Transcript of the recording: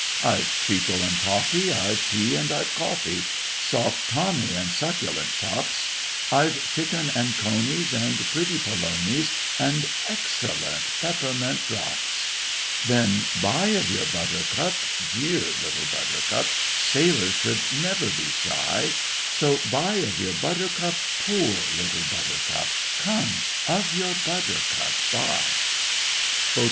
I've treacle and toffee, I've tea and I've coffee, Soft tommy and succulent chops; I've chickens and conies, and pretty polonies, And excellent peppermint drops. Then buy of your Buttercup—dear Little Buttercup; Sailors should never be shy; So, buy of your Buttercup—poor Little Buttercup; Come, of your Buttercup buy! BOAT.